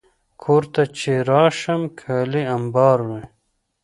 کور ته چې راشم، کالي امبار وي.